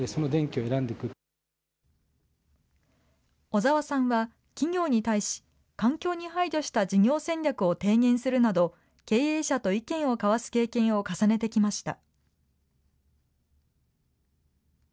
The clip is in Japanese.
小澤さんは企業に対し、環境に配慮した事業戦略を提言するなど、経営者と意見を交わす経験を重ねてきました。